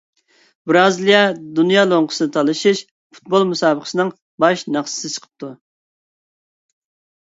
بىرازىلىيە دۇنيا لوڭقىسىنى تالىشىش پۇتبول مۇسابىقىسىنىڭ باش ناخشىسى چىقىپتۇ.